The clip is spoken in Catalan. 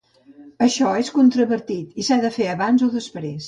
Això és controvertit, si s’ha de fer abans o després.